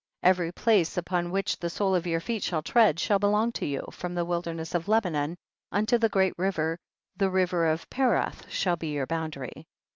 3. Every place upon which the sole of your feet shall tread shall belong to you, from the wilderness of Lebanon unto the great river the riverofPerath shall be yourboundary.